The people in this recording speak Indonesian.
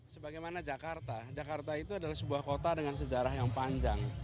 sebagaimana jakarta jakarta itu adalah sebuah kota dengan sejarah yang panjang